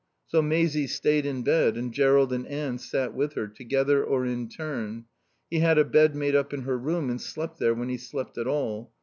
So Maisie stayed in bed, and Jerrold and Anne sat with her, together or in turn. He had a bed made up in her room and slept there when he slept at all.